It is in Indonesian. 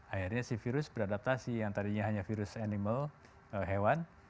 akhirnya si virus beradaptasi yang tadinya hanya virus animal hewan